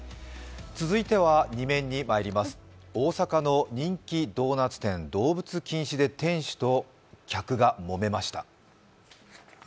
続いては２面にまいります、大阪の人気ドーナツ店、動物禁止で店主と客がもめました。